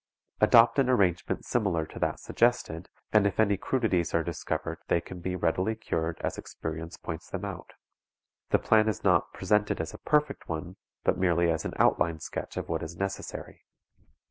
Adopt an arrangement similar to that suggested, and if any crudities are discovered they can be readily cured as experience points them out. The plan is not presented as a perfect one, but merely as an outline sketch of what is necessary.